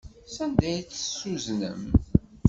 Sanda ay tt-tuznem?